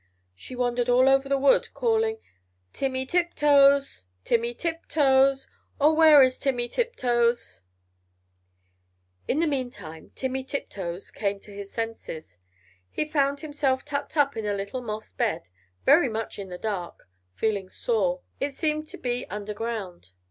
She wandered all over the wood, calling "Timmy Tiptoes! Timmy Tiptoes! Oh, where is Timmy Tiptoes?" In the meantime Timmy Tiptoes came to his senses. He found himself tucked up in a little moss bed, very much in the dark, feeling sore; it seemed to be under ground.